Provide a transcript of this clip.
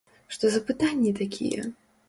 Што за пытанні такія???